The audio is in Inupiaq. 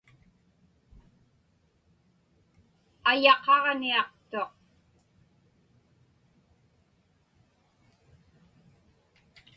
Ayaqaġniaqtuq.